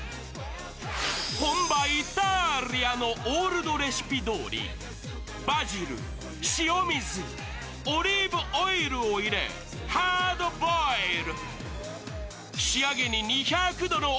本場イタリアのオールドレシピどおりバジル、塩水、オリーブオイルを入れハードボイル。